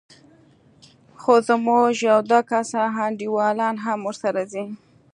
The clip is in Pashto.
خو زموږ يو دوه کسه انډيوالان هم ورسره ځي.